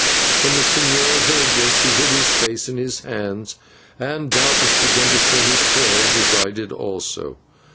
When the señor heard this he hid his face in his hands, and doubtless began to say his prayers, as I did also.